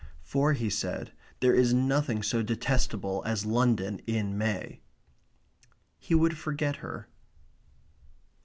For, he said, there is nothing so detestable as London in May. He would forget her.